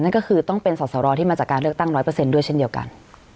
นั่นก็คือต้องเป็นสรรค์ที่มาจากการเลือกตั้งร้อยเปอร์เซ็นต์ด้วยเช่นเดียวกัน